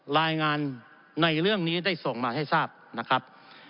รายงานในเรื่องนี้ได้ส่งมาให้ทราบนะครับ